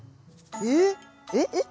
ええっ⁉えっ？えっ？